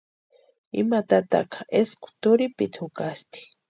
Ima tataka eskwa turhipiti jukaasti.